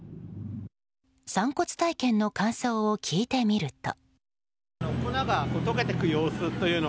散骨体験の感想を聞いてみると。